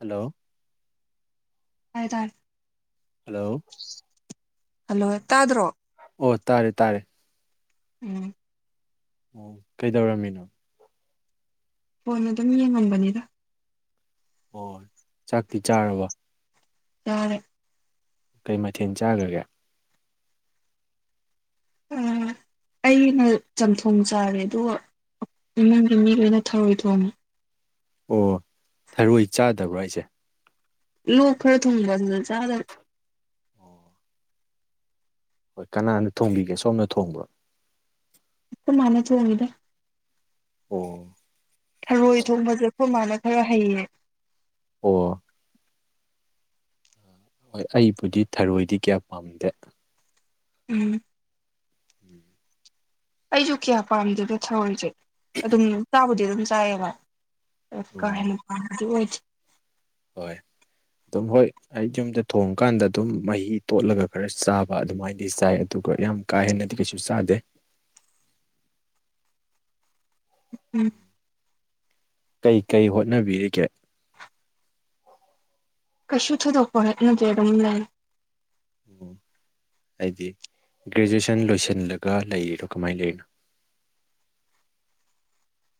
Hello ꯇꯥꯏ ꯇꯥꯏ hello hello ꯇꯥꯗ꯭ꯔꯣ ꯑꯣ ꯇꯥꯔꯦ ꯇꯥꯔꯦ ꯎꯝ ꯑꯣ ꯀꯩꯗꯧꯔꯝꯃꯤꯅꯣ ꯐꯣꯟ ꯑꯗꯨꯝ ꯌꯦꯡꯉꯝꯕꯅꯤꯗ [unintelligible] ꯆꯥꯛꯇꯤ ꯆꯥꯔꯕꯣ ꯆꯥꯔꯦ ꯀꯩ ꯃꯊꯦꯟ ꯆꯥꯒ꯭ꯔꯒꯦ ꯑ ꯑꯩꯅ ꯆꯝꯊꯣꯡ ꯆꯥꯔꯦ ꯑꯗꯨꯒ ꯏꯃꯨꯡꯒꯤ ꯃꯤ ꯂꯣꯏꯅ ꯊꯔꯣꯏ ꯊꯣꯡꯉꯦ ꯑꯣ ꯊꯔꯣꯏ ꯆꯥꯗꯕ꯭ꯔꯥ ꯍꯥꯏꯖꯦ ꯂꯣꯛ ꯈꯔ ꯊꯨꯡꯕ ꯑꯗꯨꯗ ꯆꯥꯗꯕ ꯑꯣ ꯍꯣꯏ ꯀꯅꯥꯅ ꯊꯣꯡꯕꯤꯒꯦ ꯁꯣꯝꯅ ꯊꯣꯡꯕ꯭ꯔꯣ ꯑꯈꯣꯏ ꯃꯥꯅ ꯊꯣꯡꯉꯤꯗ ꯑꯣ ꯊꯔꯣꯏ ꯊꯣꯡꯕꯖꯦ ꯑꯈꯣꯏ ꯃꯥꯅ ꯈꯔ ꯍꯩꯌꯦ ꯑꯣ ꯍꯣꯏ ꯑꯩꯕꯨꯗꯤ ꯊꯔꯣꯏꯗꯤ ꯀꯌꯥ ꯄꯥꯝꯗꯦ ꯎꯝ [inaudible] ꯑꯩꯖꯨ ꯀꯌꯥ ꯄꯥꯝꯗꯦꯗ ꯊꯔꯣꯏꯖꯦ ꯑꯗꯨꯝ ꯆꯥꯕꯨꯗꯤ ꯑꯗꯨꯝ ꯆꯥꯏꯌꯦꯕ ꯑꯣ ꯀꯥ ꯎꯝ ꯍꯦꯟꯅ ꯄꯥꯝꯕꯗꯤ ꯑꯣꯏꯗꯦ ꯍꯣꯏ ꯑꯗꯨꯝ ꯍꯣꯏ ꯑꯩ ꯌꯨꯝꯗ ꯊꯣꯡꯀꯥꯟꯗ ꯑꯗꯨꯝ ꯃꯍꯤ ꯇꯣꯠꯂꯒ ꯈꯔ ꯆꯥꯕ ꯑꯗꯨꯃꯥꯏꯅꯗꯤ ꯆꯥꯏ ꯑꯗꯨꯒ ꯌꯥꯝ ꯀꯥ ꯍꯦꯟꯅꯗꯤ ꯀꯩꯁꯨ ꯆꯥꯗꯦ ꯎꯝ ꯀꯩ ꯀꯩ ꯍꯣꯠꯅꯕꯤꯔꯤꯒꯦ ꯀꯩꯁꯨ ꯊꯣꯏꯗꯣꯛꯄ ꯍꯣꯠꯅꯗꯦ ꯑꯗꯨꯝ ꯂꯩ ꯑꯣ ꯍꯥꯏꯗꯤ ꯒ꯭ꯔꯦꯖꯨꯌꯦꯁꯟ ꯂꯣꯏꯁꯤꯜꯂꯒ ꯂꯩꯔꯤꯔꯣ ꯀꯃꯥꯏ ꯂꯩꯔꯤꯅꯣ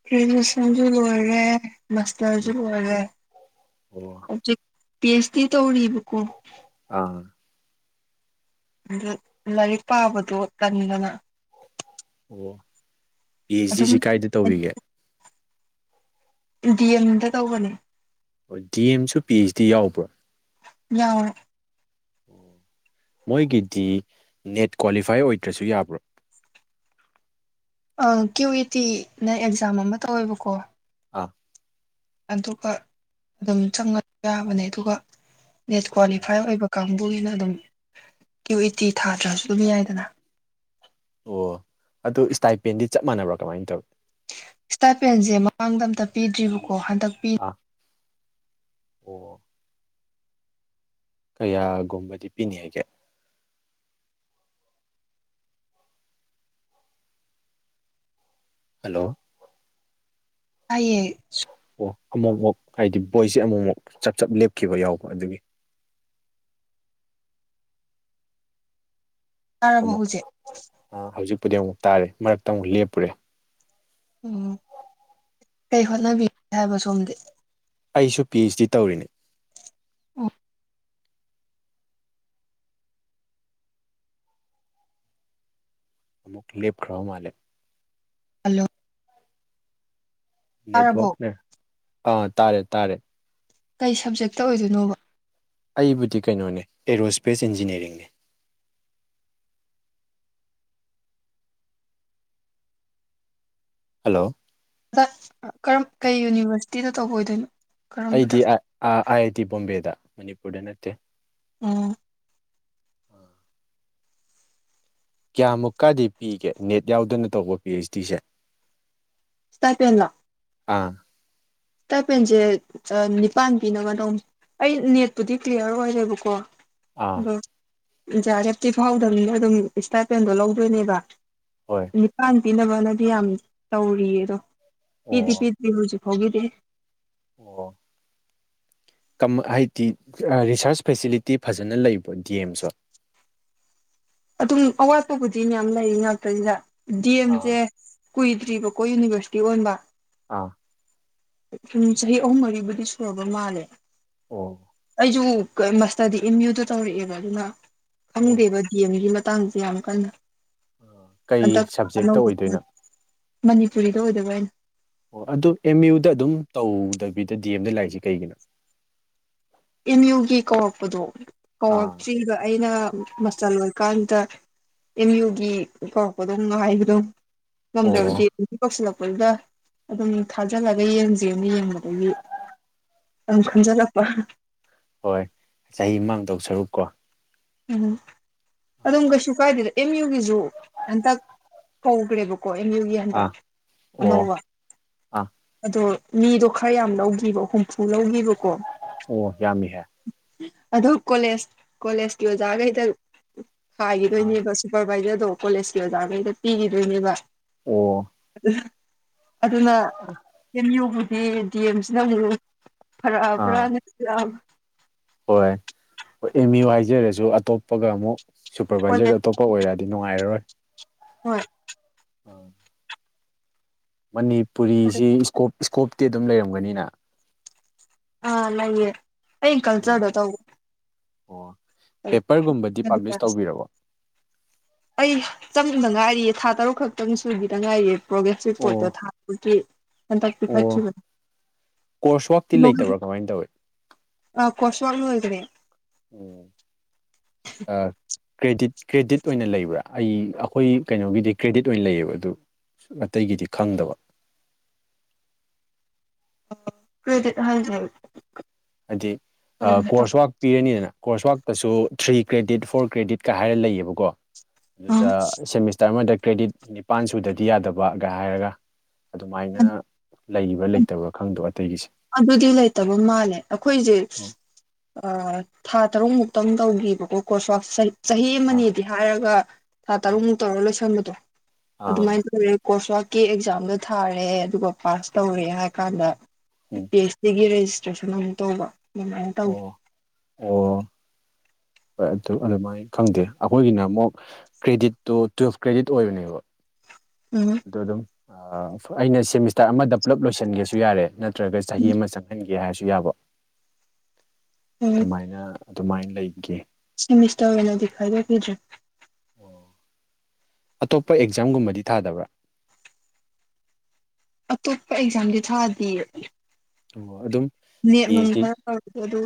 ꯒ꯭ꯔꯦꯖꯨꯑꯦꯁꯟꯖꯨ ꯂꯣꯏꯔꯦ ꯃꯥꯁꯇꯔꯖꯨ ꯎꯝ ꯂꯣꯏꯔꯦ ꯑꯣ ꯍꯧꯖꯤꯛ ꯄꯤ ꯍꯩꯁ ꯗꯤ ꯇꯧꯔꯤꯕꯀꯣ ꯑꯥ ꯑꯗ ꯂꯥꯏꯔꯤꯛ ꯄꯥꯕꯗꯣ ꯇꯟꯗꯅ ꯑꯣ ꯄꯤ ꯍꯩꯁ ꯗꯤ ꯑꯗꯨꯝ ꯁꯤ ꯀꯥꯏꯗ ꯇꯧꯕꯤꯒꯦ ꯗꯤ ꯑꯦꯝꯗ ꯇꯧꯕꯅꯦ ꯍꯣꯏ ꯗꯤ ꯑꯦꯝꯁꯨ ꯄꯤ ꯍꯩꯁ ꯗꯤ ꯌꯥꯎꯕ꯭ꯔꯣ ꯌꯥꯎꯋꯦ ꯃꯣꯏꯒꯤꯗꯤ ꯅꯦꯠ ꯀ꯭ꯋꯥꯂꯤꯐꯥꯏ ꯑꯣꯏꯗ꯭ꯔꯁꯨ ꯌꯥꯕ꯭ꯔꯣ ꯑ ꯀ꯭ꯌꯨ ꯏ ꯇꯤ ꯅ ꯑꯦꯛꯖꯥꯝ ꯑꯃ ꯇꯧꯋꯦꯕꯀꯣ ꯑꯥ ꯑꯗꯨꯒ ꯑꯗꯨꯝ ꯆꯪꯉ ꯌꯥꯕꯅꯦ ꯑꯗꯨꯒ ꯅꯦꯠ ꯀ꯭ꯋꯥꯂꯤꯐꯥꯏ ꯑꯣꯏꯕ ꯀꯥꯡꯕꯨꯒꯤꯅ ꯑꯗꯨꯝ ꯀ꯭ꯌꯨ ꯏ ꯇꯤ ꯊꯥꯗ꯭ꯔꯁꯨ ꯑꯗꯨꯝ ꯌꯥꯏꯗꯅ ꯑꯣ ꯑꯗꯨ ꯏꯁꯇꯥꯏꯄꯦꯟꯗꯤ ꯆꯞ ꯃꯥꯟꯅꯕ꯭ꯔꯥ ꯀꯃꯥꯏꯅ ꯇꯧꯋꯤ ꯏꯁꯇꯥꯥꯏꯞꯄꯦꯟꯖꯦ ꯃꯃꯥꯡꯗ ꯑꯝꯇ ꯄꯤꯗ꯭ꯔꯤꯕꯀꯣ ꯍꯟꯗꯛ ꯄꯤꯅꯤ ꯑꯣ ꯀꯌꯥꯒꯨꯝꯕꯗꯤ ꯄꯤꯅꯤ ꯍꯥꯏꯒꯦ ꯍꯜꯂꯣ ꯇꯥꯏꯌꯦ ꯑꯣ ꯑꯃꯨꯛ ꯃꯨꯛ ꯍꯥꯏꯗꯤ ꯕꯣꯏꯁꯦ ꯑꯃꯨꯛ ꯃꯨꯛ ꯆꯞ ꯆꯞ ꯂꯦꯞꯈꯤꯕ ꯌꯥꯎꯕ ꯑꯗꯨꯒꯤ ꯇꯥꯔꯕꫭ ꯑꯃꯨꯛ ꯍꯧꯖꯤꯛ ꯍꯧꯖꯤꯛꯄꯨꯗꯤ ꯑꯃꯨꯛ ꯇꯥꯔꯦ ꯃꯔꯛꯇ ꯑꯃꯨꯛ ꯂꯦꯞꯄꯨꯔꯦ꯫ ꯎꯝ ꯀꯩ ꯍꯣꯠꯅꯕꯤꯒꯦ ꯍꯥꯏꯕ ꯁꯣꯝꯗꯤ꯫ ꯑꯩꯁꯨ ꯄꯤ ꯑꯩꯆ ꯗꯤ ꯇꯧꯔꯤꯅꯤ ꯑꫭ ꯑꯃꯨꯛ ꯂ‌ꯦꯞ ꯈ꯭ꯔꯕ ꯃꯥꯜꯂꯦ ꯍꯜꯂꯣ ꯇꯥꯔꯕꯣ ꯅꯦꯠꯋꯛꯅ ꯑꯥ ꯇꯥꯔꯦ ꯇꯥꯔꯦ ꯀꯩ ꯁꯕꯖꯦꯛꯇ ꯑꯣꯏꯗꯣꯏꯅꯣꯕ꯫ ꯑꯩꯕꯨꯗꯤ ꯀꯩꯅꯣꯅꯦ ꯑꯦꯔꯣꯁ꯭ꯄꯦꯁ ꯏꯟꯖꯤꯅꯤꯌꯥꯔꯤꯡꯅꯦ ꯍꯜꯂꯣ ꯑꯗ ꯀꯔꯝ ꯀꯩ ꯌꯨꯅꯤꯚꯔꯁꯤꯇꯤꯗ ꯇꯧꯕ ꯑꯣꯏꯗꯣꯏꯅꯣ ꯀꯔꯝꯕꯗ ꯑꯩꯗꯤ ꯑꯥ ꯑꯥꯏ ꯑꯥꯏ ꯇꯤ ꯕꯣꯝꯕꯦꯗ ꯃꯅꯤꯄꯨꯔꯗ ꯅꯠꯇꯦ ꯎꯝ ꯀꯌꯥꯃꯨꯛꯀꯗꯤ ꯄꯤꯒꯦ ꯅꯦꯠ ꯌꯥꯎꯗꯅ ꯇꯧꯕ ꯄꯤ ꯑꯩꯆ ꯗꯤꯁꯦ꯫ ꯥꯁ꯭ꯇꯥꯏ ꯄ‌ꯦꯟꯂꫭ ꯑꯥ ꯏ꯭ꯇꯥꯏꯄꯦꯟꯁꯦ ꯅꯤꯄꯥꯟ ꯄꯤꯅꯕ ꯇꯧ ꯑꯩ ꯅꯦꯠꯄꯨꯗꯤ ꯀ꯭ꯂꯤꯌꯥꯔ ꯑꯣꯏꯔꯦꯕꯀꯣ ꯑꯥ ꯑꯗꯣ ꯖꯤ ꯑꯥꯔ ꯑꯦꯐꯇꯤ ꯐꯥꯎꯗꯝꯅꯤꯅ ꯑꯗꯨꯝ ꯁ꯭ꯇꯥꯏꯄꯦꯟꯗꯣ ꯂꯧꯗꯣꯏꯅꯦꯕ ꯍꯣꯏ ꯅꯤꯄꯥꯟ ꯄꯤꯅꯕꯅꯗꯤ ꯌꯥꯝ ꯇꯧꯔꯤꯌꯦ ꯑꯗꯣ ꯄꯤꯗꯤ ꯑꯣ ꯄꯤꯗ꯭ꯔꯤ ꯍꯧꯖꯤꯛ ꯐꯥꯎꯒꯤꯗꯤ꯫ ꯑꯣ ꯀꯝ ꯍꯥꯏꯗꯤ ꯔꯤꯁꯔꯁ ꯐꯦꯁꯤꯂꯤꯇꯤ ꯐꯖꯅ ꯂꯩꯕ꯭ꯔꫭ ꯗꯤ ꯑꯦꯝꯁꯨ ꯑꯗꯨꯝ ꯑꯋꯥꯠꯄꯕꯨꯗꯤ ꯃꯌꯥꯝ ꯂꯩꯏ ꯉꯥꯛꯇꯅꯤꯗ ꯗꯤ ꯑꯥ ꯑꯦꯝꯁꯦ ꯀꯨꯏꯗ꯭ꯔꯤꯕꯀꯣ ꯌꯨꯅꯤꯕꯔꯁꯤꯇꯤ ꯑꯣꯟꯕ꯫ ꯑꯥ ꯎꯨꯝ ꯆꯍꯤ ꯑꯍꯨꯝ ꯃꯔꯤꯕꯨꯗꯤ ꯁꯨꯔꯕ ꯃꯥꯜꯂꯦ꯫ ꯑꫭ ꯑꯩꯁꯨ ꯃꯥꯁꯇꯔꯗꯤ ꯑꯦꯝ ꯌꯨꯗ ꯇꯧꯔꯛꯑꯦꯕ ꯑꯗꯨꯅ ꯑꯣ ꯈꯪꯗꯦꯕ ꯗꯤ ꯑꯦꯝꯒꯤ ꯃꯇꯥꯡꯁꯦ ꯌꯥꯝ ꯀꯟ ꯀꯩ ꯍꯟꯇꯛ ꯁꯕꯖꯦꯛꯇ ꯑꯣꯏꯗꯣꯏꯅꯣ [unintelligible] ꯃꯅꯤꯄꯨꯔꯤꯗ ꯑꯣꯏꯗꫭꯏꯕ ꯑꯩꯅ ꯑꯣ ꯑꯗꯨ ꯑꯦꯝ ꯌꯨꯗ ꯑꯗꯨꯝ ꯇꯧꯗꯕꯤꯗ ꯗꯤ ꯑꯦꯝꯗ ꯂꯥꯛꯏꯁꯦ ꯀꯩꯒꯤꯅꯣ ꯑꯦꯝ ꯌꯨꯒꯤ ꯀꯧꯔꯛꯄꯗꯣ ꯑꯥ ꯀꯧꯔꯛꯇ꯭ꯔꯤꯕ ꯑꯩꯅ ꯃꯥꯁꯇꯔ ꯂꫭꯏꯔꯀꯥꯟꯗ ꯑꯦꯝ ꯌꯨꯒꯤ ꯀꯧꯔꯛꯄꯗꫭ ꯅꯨꯡꯉꯥꯏꯕꯗꫭ ꯉꯝꯗ꯭ꯔꯕ ꯑꯣ ꯗꯤ ꯑꯦꯝ ꯒꯤ ꯀꯧꯁꯤꯜꯂꯛꯄꯗꯨꯗ ꯑꯗꯨꯝ ꯊꯥꯖꯤꯜꯂꯒ ꯌꯦꯡꯁꯦꯅ ꯌꯦꯡꯕꯗꯒꯤ ꯑꯗꯨꯝ ꯈꯟꯖꯜꯂꯛꯄ ꯍꯣꯏ ꯆꯍꯤ ꯃꯥꯡꯗꯧ ꯁꯔꯨꯛ ꯀꯣ ꯎꯝ ꯑꯗꯨꯝ ꯀꯩꯁꯨ ꯀꯥꯏꯗꯦꯗ ꯑꯦꯝ ꯌꯨꯒꯤꯁꯨ ꯍꯟꯇꯛ ꯀꯧꯒ꯭ꯔ‌ꯦꯕ ꯀꯣ ꯑꯦꯝ ꯌꯨꯒꯤ ꯑꯥ ꯍꯟꯗꯛ ꯑꯣ ꯑꯅꯧꯕ ꯑꯥ ꯑꯗꯣ ꯃꯤꯗꯣ ꯈꯔ ꯌꯥꯝ ꯂꯧꯈꯤꯕ ꯍꯨꯝꯐꯨ ꯂꯧꯒꯤꯕ ꯑꯣ ꯌꯥꯝꯃꯤ ꯍ‌ꯦ ꯑꯗꯨ ꯀꯣꯂꯦꯖ ꯀꯣꯂꯦꯖꯀꯤ ꯑꯣꯖꯥꯈꯩꯗꯪ ꯑꯥ ꯍꯥꯏꯒꯤꯗꯣꯏꯅꯦꯕ ꯁꯨꯄꯔ ꯚꯥꯏꯖꯔꯗꯣ ꯀꯣꯂꯦꯖꯀꯤ ꯑꯣꯖꯥꯒꯩꯗ ꯄꯤꯈꯤꯗꯣꯏꯅꯦꯕ ꯑꯣ ꯑꯗꯨꯅ ꯑꯦꯝ ꯌꯨ ꯒꯤꯗꯤ ꯗꯤ ꯑꯦꯝ ꯖꯤ ꯅ ꯑꯃꯨꯛ ꯐꯔꯛ ꯑꯕ꯭ꯔꯥ ꯑꯥ ꯅ ꯍꯣꯏ ꯍꯣꯏ ꯑꯦꯝ ꯌꯨ ꯍꯥꯏꯖꯔꯁꯨ ꯑꯇꯣꯞꯄꯒ ꯑꯃꯨꯛ ꯁꯨꯄꯔꯚꯏꯖꯔ ꯀꯣꯂꯦꯖ ꯑꯇꯣꯞꯄ ꯄ ꯑꯣꯏꯔꯗꯤ ꯅꯨꯡꯉꯥꯏꯔꯔꯣꯏ ꯍꯣꯏ ꯑ ꯃꯅꯤꯄꯨꯔꯤꯁꯤ ꯏꯁꯀꯣꯞ ꯏꯁꯀꯣꯞꯇꯤ ꯑꯗꯨꯝ ꯂꯩꯔꯝꯒꯅꯤꯅ ꯑ ꯂꯩꯌꯦ ꯑꯩ ꯎꯝ ꯀꯜꯆꯔꯗ ꯇꯧꯕ ꯑꯣ ꯄꯦꯄꯔꯒꯨꯝꯕꯗꯤ ꯄꯥꯕ꯭ꯂꯤꯁ ꯇꯧꯕꯤꯔꯕꯣ [unintelligible] ꯑꯩ ꯆꯪꯗ ꯉꯥꯏꯔꯤꯌꯦ ꯊꯥ ꯇꯔꯨꯛ ꯈꯛꯇꯪ ꯁꯨꯒꯤꯗ ꯉꯥꯏꯔꯤꯌꯦ ꯄ꯭ꯔꯣꯒꯦꯁ ꯑꯣ ꯔꯤꯄꯣꯔꯠꯇ ꯊꯥ ꯑꯃꯒꯤ ꯍꯟꯗꯛ ꯄꯤꯈꯠꯈꯤꯕ ꯀ꯭ꯔꯣꯁ ꯋꯥꯛꯇꯤ ꯂꯩꯇꯕ꯭ꯔꯥ ꯀꯃꯥꯏ ꯇꯧꯏ ꯑ ꯀ꯭ꯔꯣꯁ ꯋꯥꯛ ꯂꯣꯏꯒꯔꯦ ꯎꯝ ꯑꯥ ꯀ꯭ꯔꯦꯗꯤꯠ ꯀ꯭ꯔꯦꯗꯤꯠ ꯑꯣꯏꯅ ꯂꯩꯕ꯭ꯔ ꯑꯩ ꯑꯩꯈꯣꯏ ꯀꯩꯅꯣꯒꯤꯗꯤ ꯀ꯭ꯔꯦꯗꯤꯠ ꯑꯣꯏꯅ ꯂꯩꯌꯦꯕ ꯑꯗꯨ ꯑꯇꯩꯒꯤꯗꯤ ꯈꯪꯗꯕ ꯀ꯭ꯔꯦꯗꯤꯠ ꯍꯥꯏꯖꯦ ꯍꯥꯏꯗꯤ ꯀ꯭ꯔꯣꯁ ꯋꯥꯛ ꯄꯤꯔꯅꯤꯗꯅ ꯀ꯭ꯔꯣꯁ ꯋꯥꯛꯇꯁꯨ ꯊ꯭ꯔꯤ ꯀ꯭ꯔꯦꯗꯤꯠ ꯐꯣꯔ ꯀ꯭ꯔꯦꯗꯤꯠꯀ ꯍꯥꯏꯔ ꯂꯩꯌꯦꯕꯀꯣ ꯑꯗꯨꯗ ꯁꯦꯃꯤꯁꯇꯔ ꯑꯃꯗ ꯀ꯭ꯔꯦꯗꯤꯠ ꯅꯤꯄꯥꯥꯟ ꯁꯨꯗꯗꯤ ꯌꯥꯗꯕꯒ ꯍꯥꯏꯔꯒ ꯑꯗꯨꯃꯥꯏꯅ ꯂꯩꯕ꯭ꯔ ꯂꯩꯇꯕ꯭ꯔ ꯈꯪꯗꯕ ꯑꯇꯩꯒꯤꯁꯦ ꯑꯗꯨꯗꯤ ꯂꯩꯇꯕ ꯃꯥꯜꯂꯦ ꯑꯩꯈꯣꯏꯖꯦ ꯊꯥ ꯇꯔꯨꯛ ꯃꯨꯛꯇꯪ ꯇꯧꯒꯤꯕꯀꯣ ꯀ꯭ꯔꯣꯁ ꯋꯥꯛꯁꯦ ꯆꯍꯤ ꯑꯥ ꯑꯃꯅꯦꯗꯤ ꯍꯥꯏꯔꯒ ꯊꯥ ꯑꯥ ꯇꯔꯨꯛꯃꯨꯛ ꯇꯧꯔꯒ ꯂꯣꯏꯁꯤꯟꯕꯗꯣ ꯑꯥ ꯑꯗꯨꯃꯥꯏꯅ ꯇꯧꯋꯦ ꯀ꯭ꯔꯣꯁ ꯋꯥꯔꯛꯀꯤ ꯑꯦꯛꯖꯥꯝꯗꯣ ꯊꯥꯔꯦ ꯑꯗꯨꯒ ꯄꯥꯁ ꯇꯧꯔꯦ ꯍꯥꯏ ꯀꯥꯟꯗ ꯎꯝ ꯄꯤ ꯑꯩꯆ ꯗꯤꯒꯤ ꯔꯦꯖꯤꯁꯇ꯭ꯔꯦꯁꯟ ꯑꯃ ꯇꯧꯕ ꯑꯗꯨꯃꯥꯏꯅ ꯇꯧ ꯑꯣ ꯑꯣ ꯍꯣꯏ ꯑꯗꯨ ꯑꯗꯨꯃꯥꯏꯅ ꯈꯪꯗꯦ ꯑꯩꯈꯣꯏꯒꯤꯅ ꯑꯃꯨꯛ ꯀ꯭ꯔꯦꯗꯤꯠꯇꯣ ꯇꯨꯋꯦꯜꯐ ꯀ꯭ꯔꯦꯗꯤꯠ ꯑꯣꯏꯕꯅꯦꯕ ꯎꯝ ꯑꯗꯨ ꯑꯗꯨꯝ ꯑꯩꯅ ꯁꯦꯃꯤꯁꯇꯔ ꯑꯃꯗ ꯄꯨꯂꯞ ꯂꯣꯏꯁꯤꯟꯒꯦꯁꯨ ꯌꯥꯔꯦ ꯅꯠꯇ꯭ꯔꯒ ꯆꯍꯤ ꯑꯃ ꯆꯪꯍꯟ ꯒꯦ ꯍꯥꯏꯔꯁꯨ ꯌꯥꯕ ꯎꯝ ꯑꯗꯨꯃꯥꯏꯅ ꯑꯗꯨꯃꯥꯏꯅ ꯂꯩꯒꯦ ꯁꯦꯃꯤꯁꯇꯔ ꯑꯣꯏꯅꯗꯤ ꯈꯥꯏꯗꯣꯛ ꯈꯤꯗ꯭ꯔꯦ ꯑꯇꯣꯞꯄ ꯑꯦꯛꯖꯥꯝꯒꯨꯝꯕꯗꯤ ꯊꯥꯗꯕ꯭ꯔꯥ ꯑꯇꯣꯞꯄ ꯑꯦꯛꯖꯥꯝꯗꯤ ꯊꯥꯗꯤꯌꯦ ꯑꯣ ꯑꯗꯨꯝ ꯅꯦꯠ ꯄꯤ ꯅꯨꯡ ꯑꯩꯆ ꯗꯤ ꯈꯔ ꯇꯧꯔꯦ ꯑꯗꯨ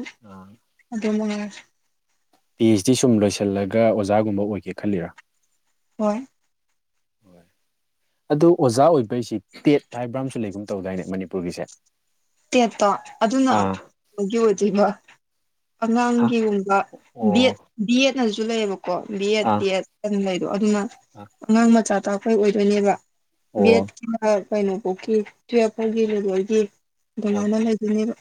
ꯑꯗꯨ ꯃꯉꯥꯏꯔꯦ ꯄꯤ ꯑꯩꯆ ꯗꯤ ꯁꯨꯝ ꯂꯣꯏꯁꯤꯜꯂꯒ ꯑꯣꯖꯥꯒꯨꯝꯕ ꯑꯣꯏꯒꯦ ꯈꯜꯂꯤꯔ ꯍꯣꯏ ꯑꯗꯨ ꯑꯣꯖꯥ ꯑꯣꯏꯕꯩꯁꯤ ꯇꯦꯠ ꯍꯥꯏꯕ꯭ꯔꯥ ꯑꯃꯁꯨ ꯂꯩꯒꯨꯝ ꯇꯧꯗꯥꯏꯅꯦ ꯃꯅꯤꯄꯨꯔꯒꯤꯁꯦ ꯇꯦꯠꯇꯣ ꯑꯗꯨ ꯑꯥ [unintelligible] ꯒꯤ ꯑꯣꯏꯗꯣꯏꯕ ꯍꯥ ꯑꯉꯥꯡꯒꯤꯒꯨꯝꯕ ꯕꯤ ꯑꯦꯠ ꯑꯣ ꯕꯤ ꯑꯦꯠꯅꯖꯨ ꯂꯩꯌꯦꯕꯀꯣ ꯕꯤ ꯑꯦꯠ ꯑꯥ ꯇꯦꯠ ꯑꯗꯨ ꯂꯩꯗꯣ ꯑꯗꯨꯅ ꯑꯥ ꯑꯉꯥꯡ ꯃꯆꯥ ꯇꯥꯛꯄꯩ ꯑꯣꯏꯗꯣꯏꯅꯦꯕ ꯑꯣ ꯕꯤ. ꯑꯥ ꯑꯦꯠ ꯑ ꯀꯩꯅꯣꯕꯧꯒꯤ ꯇꯨꯌꯦꯞ ꯐꯥꯎꯒꯤ ꯂꯦꯕꯦꯜꯒꯤ ꯑꯗꯨꯃꯥꯏꯅ ꯂꯩꯗꯣꯏꯅꯦꯕ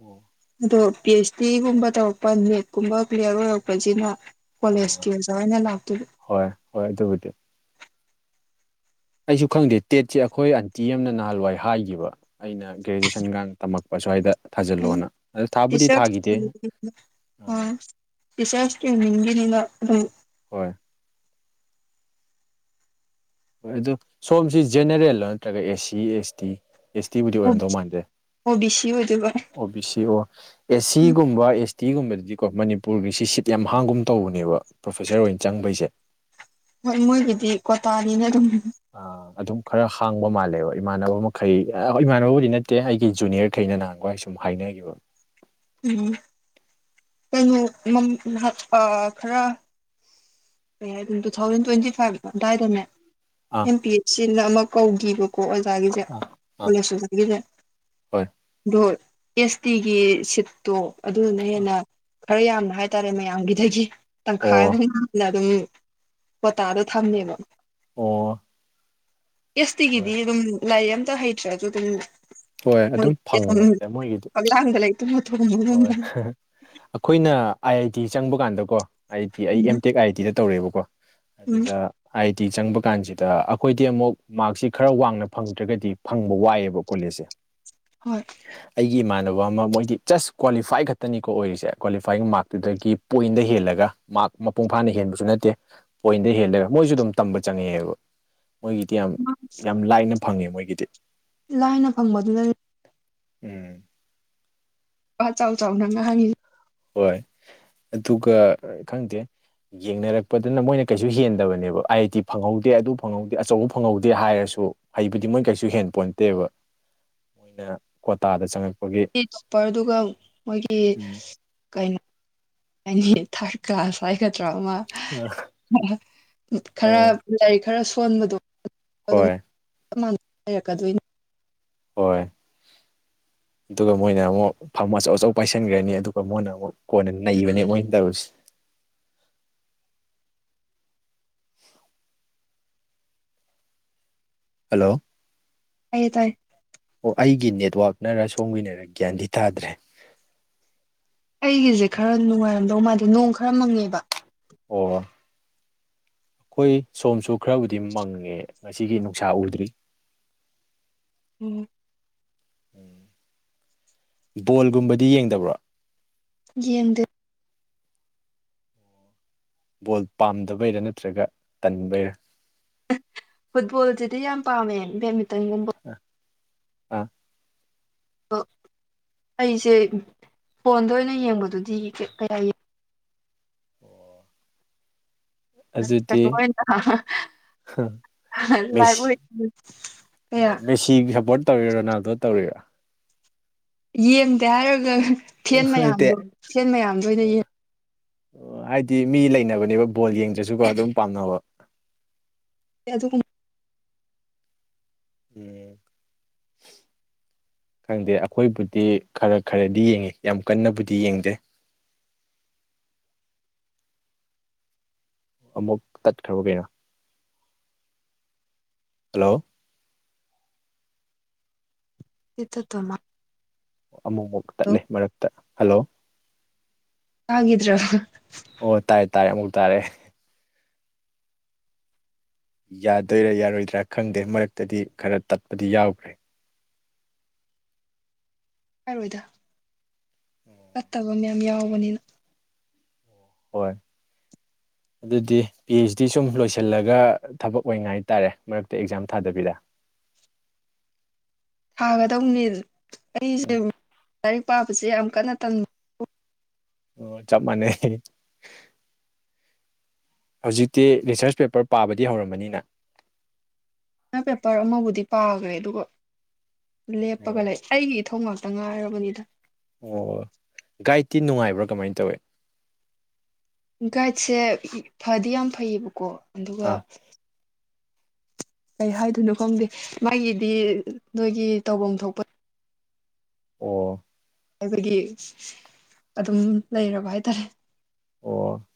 ꯑꯣ ꯑꯗꯣ ꯄꯤ ꯑꯩꯆ ꯗꯤꯒꯨꯝꯕ ꯇꯧꯔꯛꯄ ꯅꯦꯠꯀꯨꯝꯕ ꯀ꯭ꯂꯤꯌꯥꯔ ꯑꯣꯏꯔꯛꯄꯖꯤꯅ ꯀꯣꯂꯦꯖꯀꯤ ꯑꯥ ꯑꯣꯖꯥ ꯑꯣꯏꯅ ꯂꯥꯛꯇꯣꯏꯕ ꯍꯣꯏ ꯍꯣꯏ ꯑꯗꯨꯕꯨꯗꯤ ꯑꯩꯁꯨ ꯈꯪꯗꯦ ꯇꯦꯠꯁꯦ ꯑꯩꯈꯣꯏ ꯑꯟꯇꯤ ꯑꯃꯅ ꯅꯍꯥꯟꯋꯥꯏ ꯍꯥꯏꯈꯤꯕ ꯑꯩꯅ ꯒ꯭ꯔꯦꯖꯨꯑꯦꯁꯟꯒ ꯇꯝꯃꯛꯄ ꯁ꯭ꯋꯥꯏꯗ ꯊꯥꯖꯤꯜꯂꯣꯑꯣꯅ ꯑꯗ ꯊꯥꯕꯨꯗꯤ ꯊꯥꯈꯤꯗꯦ ꯑ ꯑꯥ ꯁꯤꯁꯁꯦ ꯅꯤꯡꯒꯤꯟꯂ ꯑꯗꯨ ꯍꯣꯏ ꯍꯣꯏ ꯑꯗꯨ ꯁꯣꯝꯁꯤ ꯖꯦꯅꯔꯦꯜꯂꯣ ꯅꯠꯇ꯭ꯔꯒ ꯑꯦ ꯁꯤ ꯑꯦꯁ ꯇꯤ ꯑꯦꯁ ꯇꯤꯕꯨꯗꯤ ꯑꯣꯏꯔꯝꯗꯧ ꯃꯥꯟꯗꯦ ꯑꯣ ꯕꯤ ꯁꯤ ꯑꯣꯏꯗꯣꯏꯕ ꯑꯣ ꯕꯤ ꯁꯤ ꯑꯣ ꯑꯦ ꯎꯝ ꯁꯤꯒꯨꯝꯕ ꯑꯦꯁ ꯇꯤꯒꯨꯝꯕꯗꯗꯤꯀꯣ ꯃꯅꯤꯄꯨꯔꯒꯤ ꯁꯤ ꯁꯤꯠ ꯌꯥꯝ ꯍꯥꯡꯒꯨꯝ ꯇꯧꯕꯅꯦꯕ ꯄ꯭ꯔꯣꯐꯦꯁꯔ ꯑꯣꯏꯅ ꯆꯪꯕꯩꯁꯦ ꯍꯣꯏ ꯃꯣꯏꯒꯤꯗꯤ ꯀ꯭ꯣꯇꯥꯅꯤꯅ ꯑꯗꯨꯝ ꯑꯥ ꯑꯗꯨꯝ ꯈꯔ ꯍꯥꯡꯕ ꯃꯥꯜꯂꯦꯕ ꯏꯃꯥꯟꯅꯕ ꯃꯈꯩ ꯏꯃꯥꯟꯅꯕꯕꯨꯗꯤ ꯅꯠꯇꯦ ꯑꯩꯒꯤ ꯖꯨꯅꯤꯌꯔꯈꯩꯅ ꯅꯍꯥꯡꯕ ꯍꯥꯏꯁꯨ ꯑꯗꯨꯝ ꯍꯥꯏꯅꯈꯤꯕ ꯎꯝ ꯀꯩꯅꯣꯍꯥꯛ ꯈꯔ ꯀꯩ ꯍꯥꯏ ꯑꯗꯨ ꯇꯨ ꯊꯥꯎꯖꯟ ꯇ꯭ꯋꯦꯟꯇꯤ ꯐꯥꯏꯚ ꯑꯗꯨꯗꯥꯏꯗꯅꯦ ꯑꯥ ꯑꯦꯝ ꯄꯤ ꯑꯦꯁ ꯁꯤꯅ ꯑꯃ ꯀꯧꯈꯤꯕꯀꯣ ꯑꯣꯖꯥꯒꯤꯁꯦ ꯑꯥ ꯑꯥ ꯀꯣꯂꯦꯖꯒꯤꯁꯦ ꯍꯣꯏ ꯑꯗꯣ ꯑꯦꯁ ꯇꯤꯒꯤ ꯁꯤꯠ ꯇꯣ ꯑꯗꯨꯗꯨꯅ ꯍꯦꯟꯅ ꯈꯔ ꯌꯥꯝꯅ ꯍꯥꯏꯇꯥꯔꯦ ꯃꯌꯥꯝꯒꯤꯗꯒꯤ ꯇꯪꯈꯥꯏ ꯑꯃ ꯑꯣ ꯍꯦꯟꯅ ꯅ ꯑꯗꯨꯝ ꯄꯇꯥꯗꯣ ꯊꯝꯃꯦꯕ ꯑꯣ ꯍꯣꯏ ꯑꯦꯁꯇꯤꯒꯤꯗꯤ ꯑꯗꯨꯝ ꯂꯥꯏ ꯑꯝꯇ ꯍꯩꯇ꯭ꯔꯁꯨ ꯑꯗꯨꯝ ꯍꯣꯏ ꯑꯗꯨꯝ ꯐꯪꯕꯅꯤꯗ ꯃꯣꯏꯒꯤꯗꯤ ꯃꯣꯏ ꯂꯥꯡꯗ ꯂꯩ ꯇ ꯊ ꯍꯣꯏ ꯑꯩꯈꯣꯏꯅ ꯑꯥꯏ ꯑꯥꯏ ꯇꯤ ꯆꯪꯕ ꯀꯥꯟꯗꯀꯣ ꯑꯥꯏ ꯑꯥꯏ ꯇꯤ ꯑꯩ ꯎꯝ ꯑꯦꯝ ꯇꯦꯛ ꯑꯥꯏ ꯑꯥꯏ ꯇꯤꯗ ꯇꯧꯔꯦꯕꯀꯣ ꯎꯝ ꯑꯗꯨꯗ ꯑꯥꯏ ꯇꯤ ꯆꯪꯕ ꯀꯥꯟꯁꯤꯗ ꯑꯩꯈꯣꯏꯗꯤ ꯑꯃꯨꯛ ꯃꯥꯔꯛꯁꯤ ꯈꯔ ꯋꯥꯡꯅ ꯐꯪꯗ꯭ꯔꯒꯗꯤ ꯐꯪꯕ ꯋꯥꯏꯑꯦꯕ ꯀꯣꯂꯦꯖꯁꯦ [unintelligible] ꯍꯣꯏ ꯑꯩꯒꯤ ꯏꯃꯥꯟꯅꯕ ꯑꯃ ꯃꯣꯏꯗꯤ ꯖꯁ ꯀ꯭ꯋꯥꯂꯤꯐꯥꯏ ꯈꯛꯇꯅꯤꯀꯣ ꯑꯣꯏꯔꯤꯁꯦ ꯀ꯭ꯋꯥꯂꯤꯐꯥꯏ ꯃꯥꯔꯛꯇꯨꯗꯒꯤ ꯄꯣꯏꯟꯗ ꯍꯦꯜꯂꯒ ꯃꯥꯔꯛ ꯃꯄꯨꯡ ꯐꯥꯅ ꯍꯦꯟꯕꯁꯨ ꯅꯠꯇꯦ ꯄꯣꯏꯟꯗ ꯍꯦꯟꯂꯒ ꯃꯣꯏꯁꯨ ꯑꯗꯨꯝ ꯇꯝꯕ ꯆꯪꯉꯛꯦꯕ ꯃꯣꯏꯒꯤꯗꯤ ꯌꯥꯝ ꯌꯥꯝ ꯂꯥꯏꯅ ꯐꯪꯉꯦ ꯃꯣꯏꯒꯤꯗꯤ ꯂꯥꯏꯅ ꯐꯪꯕꯗꯨꯗ ꯎꯝ ꯑ ꯆꯥꯎ ꯅꯪ ꯍꯪꯉꯤ ꯍꯣꯏ ꯑꯗꯨꯒ ꯈꯪꯗꯦ ꯌꯦꯡꯅꯔꯛꯄꯗꯨꯅ ꯃꯣꯏꯅ ꯀꯩꯁꯨ ꯍꯦꯟꯗꯕꯅꯦꯕ ꯑꯥꯏ ꯑꯥꯏ ꯇꯤ ꯐꯪꯍꯧꯗꯦ ꯑꯗꯨ ꯐꯪꯍꯧꯗꯦ ꯑꯆꯧꯕ ꯐꯪꯍꯧꯗꯦ ꯍꯥꯏꯔꯁꯨ ꯍꯩꯕꯨꯗꯤ ꯃꯣꯏ ꯀꯩꯁꯨ ꯍꯦꯟ ꯄꯣꯟꯇꯦꯕ ꯃꯣꯏꯅ ꯀ꯭ꯋꯥꯇꯥꯗꯉꯛꯄ ꯇꯣꯄꯔ ꯑꯗꯨꯒ ꯃꯣꯏꯒꯤ ꯎꯝ ꯀꯩꯅꯣ ꯑꯅꯤ ꯊꯥꯔ ꯀ꯭ꯂꯥꯁꯋꯥ ꯈꯗ꯭ꯔꯥ ꯑꯃ ꯎꯝ ꯈꯔ ꯂꯥꯏꯔꯤꯛ ꯈꯔ ꯁꯣꯟꯕꯗꯣ ꯑꯗꯨꯝ ꯍꯣꯏ ꯆꯞ ꯃꯥꯟꯅ ꯍꯥꯏꯔꯛꯀꯗꯣꯏꯅꯤ ꯍꯣꯏ ꯑꯗꯨꯒ ꯃꯣꯏꯅ ꯑꯃꯨꯛ ꯐꯝ ꯑꯆꯧ ꯑꯆꯧ ꯄꯥꯏꯁꯤꯟꯈ꯭ꯔꯅꯤ ꯑꯗꯨꯒ ꯃꯣꯏꯅ ꯑꯃꯨꯛ ꯀꯣꯟꯅ ꯅꯩꯏꯕꯅꯦ ꯃꯣꯏꯅ ꯇꯧꯔꯨꯁꯦ ꯍꯜꯂꯣ ꯇꯥꯌꯦ ꯇꯥꯏ ꯑꯣ ꯑꯩꯒꯤ ꯅꯦꯠꯋꯥꯛꯛꯅꯔ ꯁꯣꯝꯒꯤꯅꯔ ꯒ꯭ꯌꯥꯟꯗꯤ ꯇꯥꯗ꯭ꯔꯦ ꯑꯩꯒꯤꯁꯦ ꯈꯔ ꯅꯨꯡꯉꯥꯏꯔꯝꯗꯧ ꯃꯥꯜꯗꯦ ꯅꯣꯡ ꯈꯔ ꯃꯪꯉꯦꯕ ꯑꯣ ꯑꯩꯈꯣꯏ ꯁꯣꯝꯁꯨ ꯈꯔꯕꯨꯗꯤ ꯃꯪꯉꯦ ꯉꯁꯤꯒꯤ ꯅꯨꯡꯁꯥ ꯎꯗ꯭ꯔꯤ ꯎꯝ ꯕꯣꯜꯒꯨꯝꯕꯗꯤ ꯌꯦꯡꯗꯕ꯭ꯔꯣ ꯌꯦꯡꯗꯦ ꯕꯣꯜ ꯄꯥꯝꯗꯕꯩꯔꯥ ꯅꯠꯇ꯭ꯔꯒ ꯇꯟꯕꯩꯔꯥ ꯐꯨꯠꯕꯣꯜꯁꯤꯗꯤ ꯌꯥꯝ ꯄꯥꯝꯃꯦ ꯕꯦꯗꯃꯤꯟꯇꯟꯒꯨꯝꯕ ꯑ ꯑꯥ ꯑꯣ ꯑꯩꯁꯦ ꯐꯣꯟꯗ ꯑꯣꯏꯅ ꯌꯦꯡꯕꯗꯨꯗꯤ ꯀꯌꯥ ꯌꯦꯡ ꯑꯣ ꯑ ꯀꯩꯅꯣ ꯑꯣꯏꯅ ꯂꯥꯏꯕ ꯑꯣꯏ ꯑꯦ ꯁꯤ ꯁꯞꯄꯣꯔꯠ ꯇꯧꯔꯤꯔ ꯔꯣꯅꯥꯜꯗꯣ ꯇꯧꯔꯤꯕꯥ ꯌꯦꯡꯗꯦ ꯍꯥꯏꯔꯒ ꯐꯦꯟ ꯅꯠꯇꯦ ꯃꯌꯥꯝꯗꯣ ꯐꯦꯟ ꯃꯌꯥꯝꯗꯣ ꯑꯣꯏꯅ ꯌꯦꯡ ꯍꯥꯏꯗꯤ ꯃꯤ ꯂꯩꯅꯕꯅꯦꯕ ꯕꯣꯜ ꯌꯦꯡꯗ꯭ꯔꯁꯨꯀꯣ ꯑꯗꯨꯝ ꯄꯥꯝꯅꯕ ꯑꯗꯨꯒꯨꯝꯕ ꯎꯝ ꯈꯪꯗꯦ ꯑꯩꯈꯣꯏꯕꯨꯗꯤ ꯈꯔ ꯈꯔꯗꯤ ꯌꯦꯡꯉꯤ ꯌꯥꯝ ꯀꯟꯅꯕꯨꯗꯤ ꯌꯦꯡꯗꯦ ꯑꯃꯨꯛ ꯇꯠꯈ꯭ꯔꯕ ꯀꯩꯅꯣ ꯍꯜꯂꯣ ꯅꯦꯠ ꯆꯇꯕ ꯃꯥꯜꯂꯦ ꯑꯃꯨꯛꯃꯨꯛ ꯇꯠꯂꯦ ꯃꯔꯛꯇ ꯍꯜꯂꯣ ꯇꯥꯒꯤꯗ꯭ꯔꯕꯥ ꯑꯣ ꯇꯥꯏꯔꯦ ꯇꯥꯔꯦ ꯑꯃꯨꯛ ꯇꯥꯔꯦ ꯌꯥꯗꯣꯏꯔꯥ ꯌꯥꯔꯣꯏꯗ꯭ꯔꯥ ꯈꯪꯗꯦ ꯃꯔꯛꯇꯗꯤ ꯈꯔ ꯇꯠꯄꯗꯤ ꯌꯥꯎꯈ꯭ꯔꯦ ꯍꯥꯏꯔꯣꯏꯗ ꯇꯠꯇꯕ ꯃꯌꯥꯝ ꯌꯥꯎꯕꯅꯤꯅ ꯍꯣꯏ ꯑꯗꯨꯗꯤ ꯄꯤ ꯑꯩꯆ ꯗꯤ ꯁꯨꯝ ꯂꯣꯏꯁꯤꯜꯂꯒ ꯊꯕꯛ ꯑꯣꯏꯅꯥꯏ ꯍꯥꯏꯇꯥꯔꯦ ꯃꯔꯛꯇ ꯑꯦꯛꯖꯥꯝ ꯊꯥꯗꯕꯤꯔ ꯊꯥꯒꯗꯧꯅꯤ ꯑꯩꯁꯦ ꯎꯝ ꯂꯥꯏꯔꯤꯛ ꯄꯥꯕꯁꯦ ꯌꯥꯝ ꯀꯟꯅ ꯇꯝꯃꯤ ꯑꯣ ꯆꯞ ꯃꯥꯟꯅꯩ ꯍꯧꯖꯤꯛꯇꯤ ꯔꯤꯁꯔꯁ ꯄꯦꯄꯔ ꯄꯥꯕꯗꯤ ꯍꯧꯔꯝꯃꯅꯤ ꯅꯪ ꯄꯦꯄꯔ ꯑꯃꯕꯨꯗꯤ ꯄꯥꯈ꯭ꯔꯦ ꯑꯗꯨꯒ ꯂꯦꯞꯄꯒ ꯑꯣ ꯂꯩ ꯑꯩꯒꯤ ꯏꯊꯧ ꯉꯥꯛ ꯇ ꯉꯥꯏꯔꯕꯅꯤꯗ ꯑꯣ ꯒꯥꯏꯗꯇꯤ ꯅꯨꯡꯉꯥꯏꯕ꯭ꯔꯥ ꯀꯃꯥꯏꯅ ꯇꯧꯋꯦ ꯒꯥꯏ꯭ꯗꯁꯦ ꯐꯗꯤ ꯌꯥꯝ ꯐꯩꯌꯦꯕꯀꯣ ꯑꯗꯨꯒ ꯑꯥ ꯀꯩ ꯍꯥꯏꯗꯣꯏꯅꯣ ꯈꯪꯗꯦ ꯃꯥꯒꯤꯗꯤ ꯅꯣꯏꯒꯤ ꯇꯧꯐꯝ ꯊꯣꯛꯄ ꯑꯣ ꯑꯩꯈꯣꯏꯒꯤ ꯑꯗꯨꯝ ꯂꯩꯔꯕ ꯍꯥꯏꯇꯥꯔꯦ ꯑꯣ